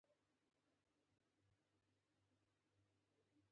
ایا ستاسو تیره هیره شوې نه ده؟